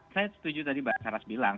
saya setuju tadi mbak saras bilang